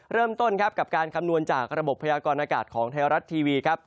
เริ่มต้นครับกับการคำนวณจากระบบพยากรณากาศของไทยรัฐทีวีครับ